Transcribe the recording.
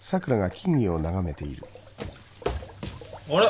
あれ？